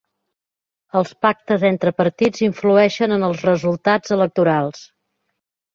Els pactes entre partits influeixen en els resultats electorals.